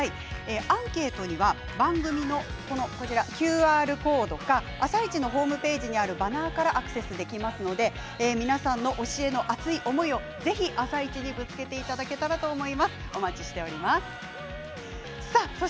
アンケートには番組のＱＲコードか「あさイチ」のホームページにあるバナーからアクセスできますので皆さんの推しへの熱い思いをぜひ「あさイチ」にぶつけていただけたらと思います。